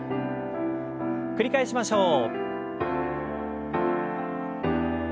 繰り返しましょう。